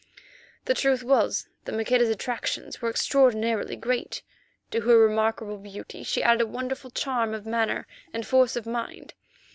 The truth was that Maqueda's attractions were extraordinarily great. To her remarkable beauty she added a wonderful charm of manner and force of mind.